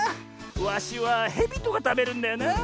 ワシはヘビとかたべるんだよなあ。